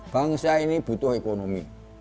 bangsa ini butuh ekonomi